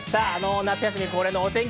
夏休み恒例のお天気